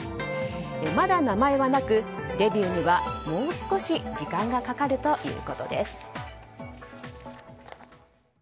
まだ名前はなくデビューには、もう少し時間がかかるということです。